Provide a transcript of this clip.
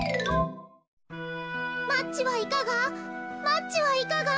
「マッチはいかが？